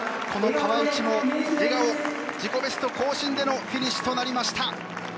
この川内も笑顔自己ベスト更新でのフィニッシュとなりました。